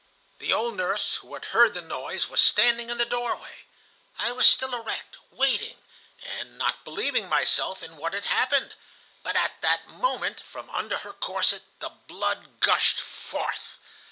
"The old nurse, who had heard the noise, was standing in the doorway. I was still erect, waiting, and not believing myself in what had happened. But at that moment, from under her corset, the blood gushed forth.